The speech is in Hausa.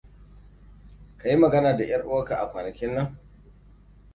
Ka yi magana da ƴar uwarka a kwanakin nan?